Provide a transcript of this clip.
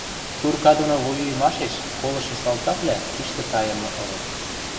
Турка доно воюйымашеш колышы салтаквлӓ тиштӹ тайымы ылыт.